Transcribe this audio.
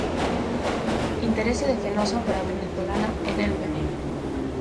Interese de Fenosa pola venezolana Enelven